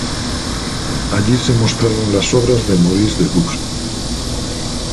Allí se mostraron dos obras de Maurice de Bus.